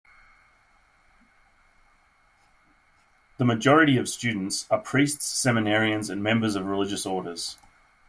The majority of students are priests, seminarians, and members of religious orders.